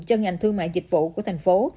cho ngành thương mại dịch vụ của thành phố